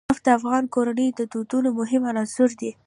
نفت د افغان کورنیو د دودونو مهم عنصر دی.